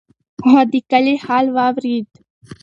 هغه د کلي حال واورېد.